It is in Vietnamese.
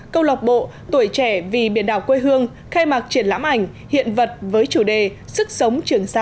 câu lọc bộ tuổi trẻ vì biển đảo quê hương khai mạc triển lãm ảnh hiện vật với chủ đề sức sống trường sa